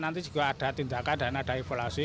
nanti juga ada tindakan dan ada evaluasi